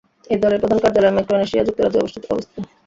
এই দলের প্রধান কার্যালয় মাইক্রোনেশিয়া যুক্তরাজ্যে অবস্থিত।